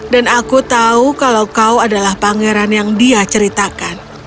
dan aku tahu kalau kau adalah pangeran yang dia ceritakan